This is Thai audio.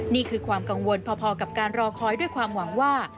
นี่คือความกังวลพอกับการรอคอยด้วยความหวังว่า